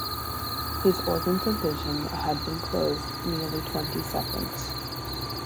His organs of vision had been closed nearly twenty seconds.